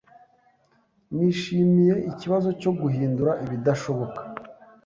Nishimiye ikibazo cyo guhindura ibidashoboka.